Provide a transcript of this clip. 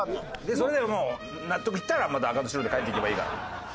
それでもう納得いったらまた「赤と白」で帰っていけばいいから。